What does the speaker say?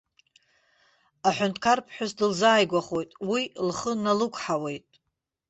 Аҳәынҭқарԥҳәыс дылзааигәахоит, уи лхы налықәҳауеит.